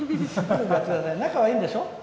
仲はいいんでしょう？